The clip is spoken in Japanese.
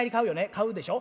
買うでしょ？